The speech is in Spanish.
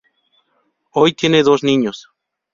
Hoy tiene dos niños.